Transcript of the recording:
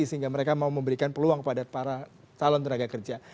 sehingga mereka mau memberikan peluang kepada para talon tenaga kerja